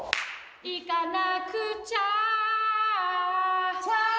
行かなくちゃあ